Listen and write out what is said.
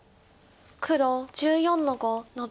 黒１４の五ノビ。